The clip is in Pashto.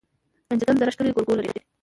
ګنجګل دره ښکلې ګورګوي لري